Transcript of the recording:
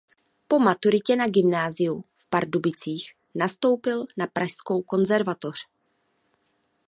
Po maturitě na gymnáziu v Pardubicích nastoupil na Pražskou konzervatoř.